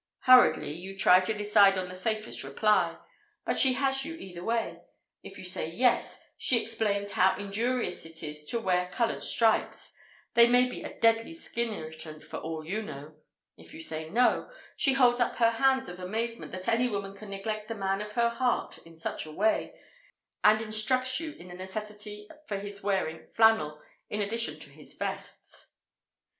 Hurriedly you try to decide on the safest reply. But she has you either way! If you say Yes, she explains how injurious it is to wear coloured stripes; they may be a deadly skin irritant, for all you know. If you say No, she holds up hands of amazement that any woman can neglect the man of her heart in such a way, and instructs you in the necessity for his wearing flannel in addition to his vests. Mrs.